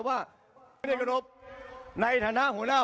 ถามเพื่อให้แน่ใจ